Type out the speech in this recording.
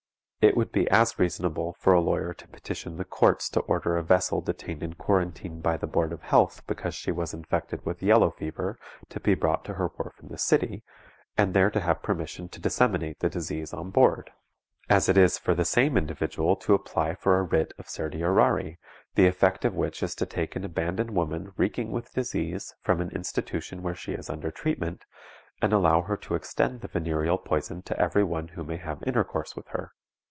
It would be as reasonable for a lawyer to petition the courts to order a vessel detained in Quarantine by the Board of Health because she was infected with yellow fever to be brought to her wharf in this city, and there to have permission to disseminate the disease on board, as it is for the same individual to apply for a writ of certiorari, the effect of which is to take an abandoned woman reeking with disease from an institution where she is under treatment, and allow her to extend the venereal poison to every one who may have intercourse with her.